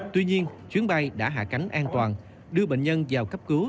tuy nhiên chuyến bay đã hạ cánh an toàn đưa bệnh nhân vào cấp cứu